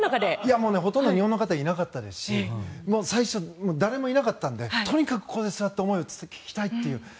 ほとんど日本の方いなかったですし最初、誰もいなかったのでとにかくここで、座って思いを聞きたいという。